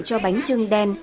cho bánh trưng đen